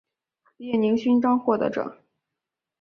列宁勋章获得者。